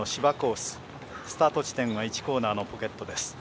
スタート地点は１コーナーのポケットです。